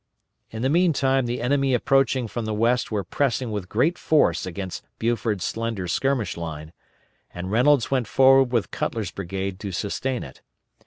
In the meantime the enemy approaching from the west were pressing with great force against Buford's slender skirmish line, and Reynolds went forward with Cutler's brigade to sustain it.